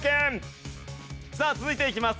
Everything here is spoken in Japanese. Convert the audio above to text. さあ続いていきます。